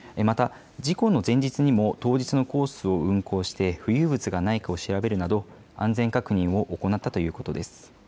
また事故の前日にも当日のコースを運航して浮遊物がないかなど確認するなど安全確認を行ったということです。